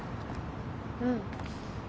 うん。